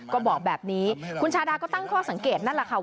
ก็บอกแบบนี้คุณชาดาก็ตั้งข้อสังเกตนั่นแหละค่ะ